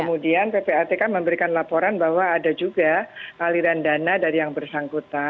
kemudian ppat kan memberikan laporan bahwa ada juga aliran dana dari yang bersangka